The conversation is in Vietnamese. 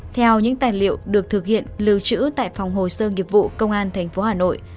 theo những tài liệu được thực hiện lưu trữ tại phòng hồ sơ nghiệp vụ công an tp hà nội